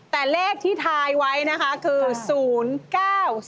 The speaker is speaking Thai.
แต่เลขที่ทายไว้นะคะคือ๐๙๔